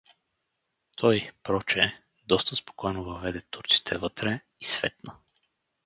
Той, прочее, доста спокойно въведе турците вътре и светна.